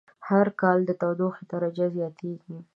هر کال د تودوخی درجه زیاتیږی